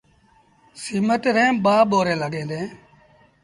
سيٚمٽ ريٚݩ ٻآ ٻوريٚݩ لڳيٚن ديٚݩ۔